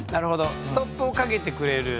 ストップをかけてくれる。